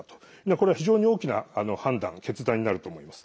これは非常に大きな判断決断になると思います。